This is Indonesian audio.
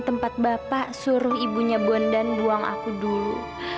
tempat bapak suruh ibunya bondan buang aku dulu